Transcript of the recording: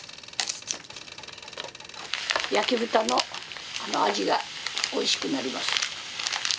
焼き豚の味がおいしくなります。